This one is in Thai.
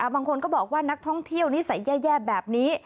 บางคนก็บอกว่านักท่องเที่ยวนิสัยแย่แบบนี้